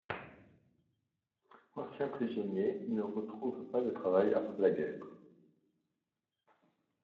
Ancien prisonnier, il ne retrouve pas de travail après la guerre.